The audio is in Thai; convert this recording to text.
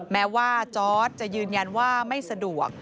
แม้ว่าจอร์ดจะยืนยันว่าไม่สะดวก